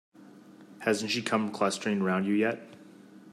Hasn't she come clustering round you yet?